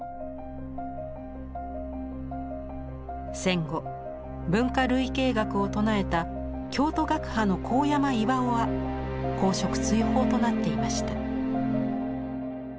戦後文化類型学を唱えた京都学派の高山岩男は公職追放となっていました。